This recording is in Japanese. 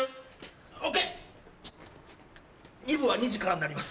２部は２時からになります。